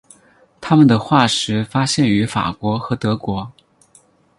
它们的化石发现于法国和德国。